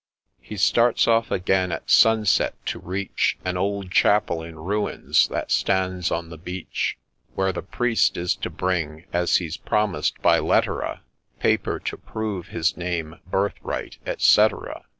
He starts off, however, at sunset, to reach An old chapel in ruins, that stands on the beach, Where the Priest is to bring, as he 's promised by letter, a Paper to prove his name, ' birthright,' et cetera.